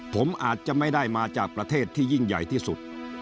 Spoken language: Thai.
ผมอาจจะไม่ได้มาจากประเทศที่ยิ่งใหญ่ที่สุด